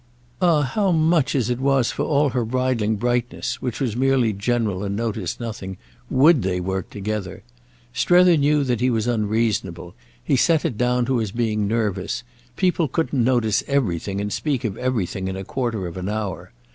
Ah how much, as it was, for all her bridling brightness—which was merely general and noticed nothing—would they work together? Strether knew he was unreasonable; he set it down to his being nervous: people couldn't notice everything and speak of everything in a quarter of an hour.